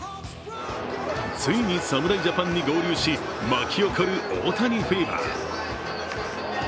ついに侍ジャパンに合流し巻き起こる大谷フィーバー。